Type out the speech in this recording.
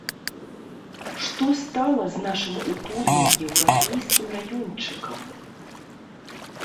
Што стала з нашым утульным еўрапейскім раёнчыкам?